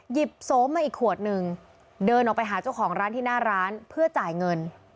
โสมมาอีกขวดนึงเดินออกไปหาเจ้าของร้านที่หน้าร้านเพื่อจ่ายเงิน